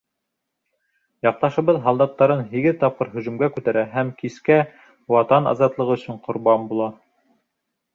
Яҡташыбыҙ һалдаттарын һигеҙ тапҡыр һөжүмгә күтәрә һәм кискә Ватан азатлығы өсөн ҡорбан була.